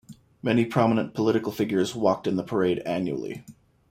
Many prominent political figures walked in the parade annually.